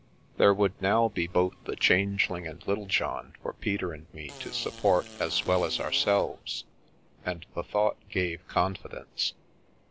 There would now be both the Changeling and Little john for Peter and me to support as well as ourselves, and the thought gave confidence.